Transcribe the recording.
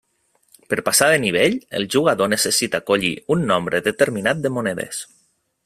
Per passar de nivell, el jugador necessita collir un nombre determinat de monedes.